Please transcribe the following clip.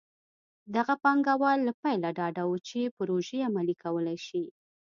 دغه پانګوال له پیله ډاډه وو چې پروژې عملي کولی شي.